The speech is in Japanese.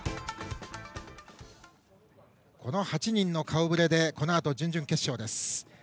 この８人の顔ぶれでこのあと準々決勝です。